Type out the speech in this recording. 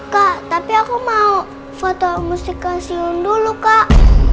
kak tapi aku mau foto mustika sion dulu kak